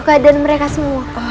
kadaan mereka semua